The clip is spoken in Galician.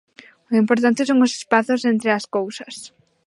O importante son os espazos entre as cousas.